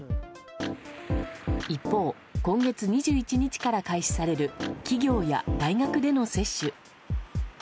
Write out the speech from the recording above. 一方、今月２１日から開始される企業や大学での接種。